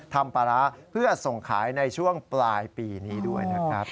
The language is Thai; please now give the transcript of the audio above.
ทำปลาร้าเพื่อส่งขายในช่วงปลายปีนี้ด้วยนะครับ